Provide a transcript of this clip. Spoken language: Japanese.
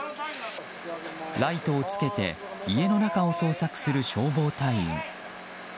ライトをつけて家の中を捜索する消防隊員。